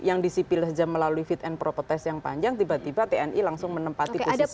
yang disipil saja melalui fit and proper test yang panjang tiba tiba tni langsung menempati posisi